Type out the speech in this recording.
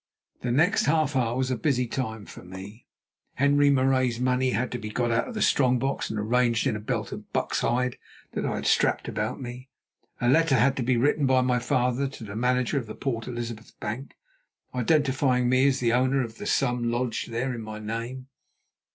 The next half hour was a busy time for me. Henri Marais's money had to be got out of the strong box and arranged in a belt of buck's hide that I had strapped about me. A letter had to be written by my father to the manager of the Port Elizabeth bank, identifying me as the owner of the sum lodged there in my name.